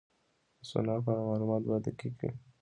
د سونا په اړه معلومات باید دقیق وي.